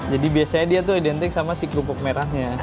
jadi biasanya dia tuh identik sama si kerupuk merahnya